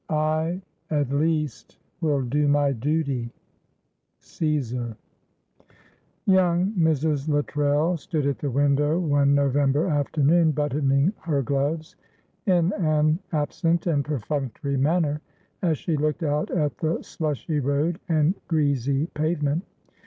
"I at least will do my duty." Caesar. Young Mrs. Luttrell stood at the window one November afternoon, buttoning her gloves in an absent and perfunctory manner, as she looked out at the slushy road and greasy pavement.